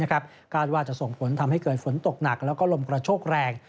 ก็จะส่งผลทำให้เกิดฝนตกหนักแล้วก็ลมกระโชกแรง